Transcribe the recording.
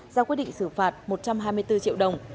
ra quyết định xử phạt một trăm hai mươi bốn triệu đồng